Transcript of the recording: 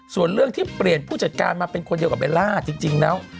ส่วนเรื่องที่เปลี่ยนผู้จัดการมาเป็นคนเดียวกับเบลล่าจริงแล้ว